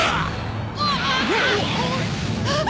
あっ！